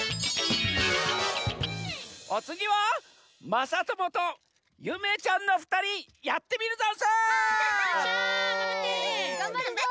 おつぎはまさともとゆめちゃんのふたりやってみるざんす！